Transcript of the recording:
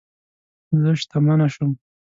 زه شتمنه شوم